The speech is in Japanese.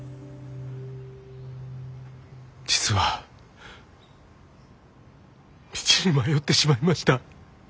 実は道に迷ってしまいました。